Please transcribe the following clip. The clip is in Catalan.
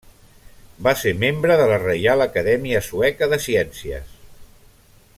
Va ser membre de la Reial Acadèmia Sueca de Ciències.